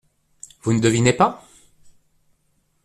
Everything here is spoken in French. Vous ne devinez pas ?